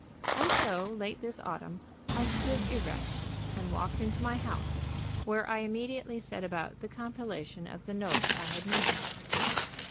And so, late this autumn, I stood erect and walked into my house, where I immediately set about the compilation of the notes I had made.